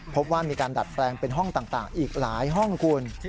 พบว่ามีการดัดแปลงเป็นห้องต่างอีกหลายห้องคุณ